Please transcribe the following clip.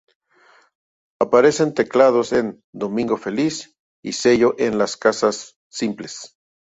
Aparecen teclados en "Domingo Feliz" y Cello en "Las Cosas Simples".